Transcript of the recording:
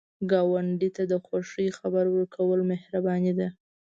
ګاونډي ته د خوښۍ خبر ورکول مهرباني ده